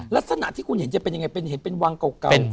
ลักษณะที่คุณเห็นจะเป็นยังไงเป็นวังเก่า